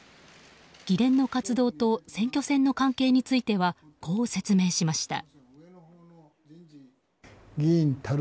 議連の活動と選挙戦の関係についてはこう説明しました。